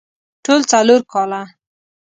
ټول څلور کاله